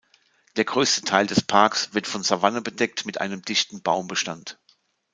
Der größte Teil des Parks wird von Savanne bedeckt mit einem dichten Baumbestand.